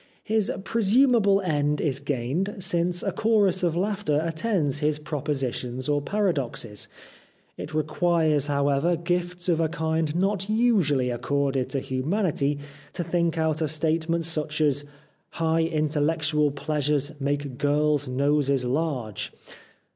His presumable end is gained, since a chorus of laughter attends his propositions or paradoxes. It requires, however, gifts of a kind not usually accorded to humanity to think out a statement such as ' High intellectual pleasures make girls' noses large